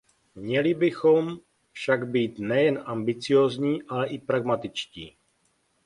Měli bychom však být nejen ambiciózní, ale i pragmatičtí.